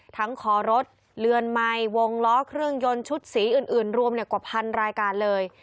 ขอรถเรือนไมค์วงล้อเครื่องยนต์ชุดสีอื่นรวมกว่าพันรายการเลย